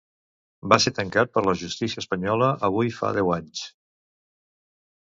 Va ser tancat per la justícia espanyola avui fa deu anys.